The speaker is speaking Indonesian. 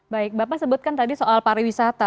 baik bapak sebutkan tadi soal pariwisata